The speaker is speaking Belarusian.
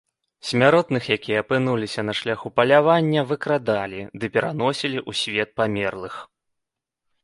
Смяротных, якія апынуліся на шляху палявання, выкрадалі ды пераносілі ў свет памерлых.